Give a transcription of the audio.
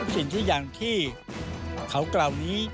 สิ่งที่อยากที่เขาเกล่านี้